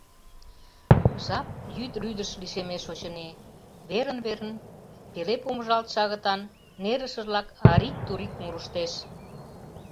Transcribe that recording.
Жап йӱд рӱдыш лишемеш, очыни: верын-верын пеле помыжалтше агытан нерышыжлак арик-турик мурыштет.